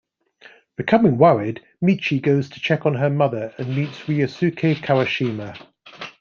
Becoming worried, Michi goes to check on her mother and meets Ryosuke Kawashima.